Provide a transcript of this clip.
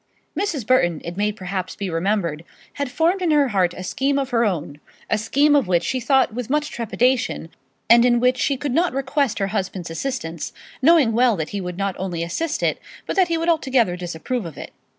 Mrs. Burton, it may perhaps be remembered, had formed in her heart a scheme of her own a scheme of which she thought with much trepidation, and in which she could not request her husband's assistance, knowing well that he would not only not assist it, but that he would altogether disapprove of it.